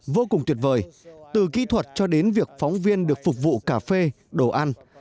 vô cùng tuyệt vời từ kỹ thuật cho đến việc phóng viên được phục vụ cà phê đồ ăn